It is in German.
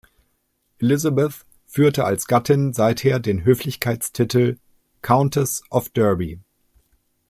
Elizabeth führte als Gattin seither den Höflichkeitstitel "Countess of Derby".